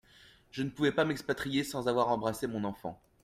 Je ne pouvais pas m’expatrier sans avoir embrassé mon enfant.